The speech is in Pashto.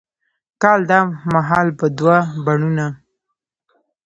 کال دا مهال به دوه بڼوڼه،